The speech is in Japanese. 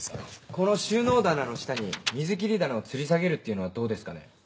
この収納棚の下に水切り棚をつり下げるっていうのはどうですかね？